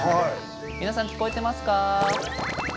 皆さん聞こえてますか？